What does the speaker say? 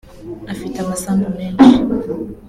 Afite amasambu menshi